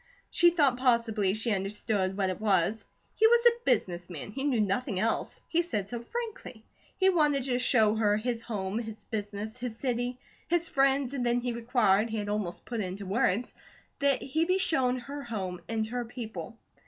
She thought possibly she understood what it was. He was a business man; he knew nothing else; he said so frankly. He wanted to show her his home, his business, his city, his friends, and then he required he had almost put it into words that he be shown her home and her people.